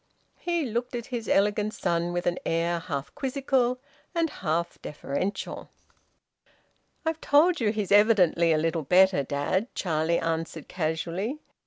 He looked at his elegant son with an air half quizzical and half deferential. "I've told you he's evidently a little better, dad," Charlie answered casually.